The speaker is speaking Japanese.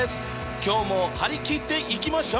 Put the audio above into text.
今日もはりきって行きましょ！